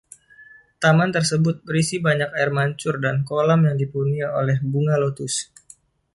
Taman tersebut berisi banyak air mancur dan kolam yang dipenuhi oleh bunga lotus.